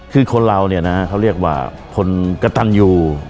คือคนเราเขาเรียกว่าคนกระตันอยู่